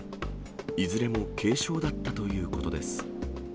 いずれも軽傷だったということです。